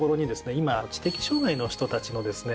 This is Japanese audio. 今知的障害の人たちのですね